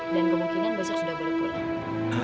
dan kemungkinan besok sudah boleh pulang